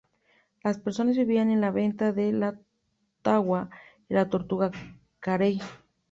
Las personas vivían de la venta de la tagua y de la tortuga carey.